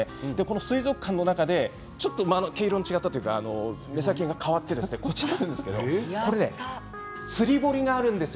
水族館の中で毛色の違ったというか目先の変わったこちら釣堀があるんですよ